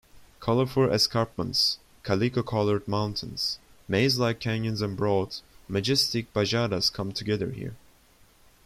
Colorful escarpments, calico-colored mountains, maze-like canyons and broad, majestic bajadas come together here.